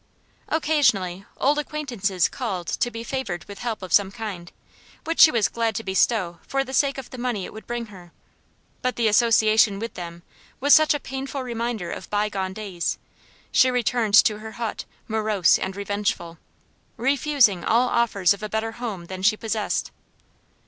Occasionally old acquaintances called to be favored with help of some kind, which she was glad to bestow for the sake of the money it would bring her; but the association with them was such a painful reminder of by gones, she returned to her hut morose and revengeful, refusing all offers of a better home than she possessed.